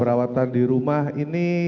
perawatan di rumah ini